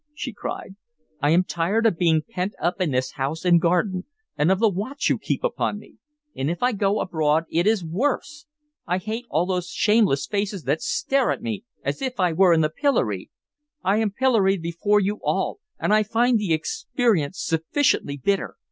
she cried. "I am tired of being pent up in this house and garden, and of the watch you keep upon me. And if I go abroad, it is worse! I hate all those shameless faces that stare at me as if I were in the pillory. I am pilloried before you all, and I find the experience sufficiently bitter.